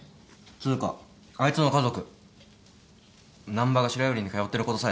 つうかあいつの家族難破が白百合に通ってることさえ知らねえよ。